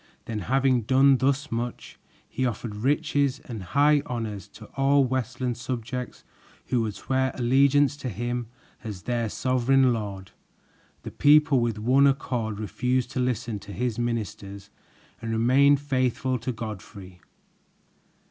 Then having done thus much, he offered riches and high honors to all Westland subjects who would swear allegiance to him as their sovereign lord. The people with one accord refused to listen to his ministers and remained faithful to Godfrey.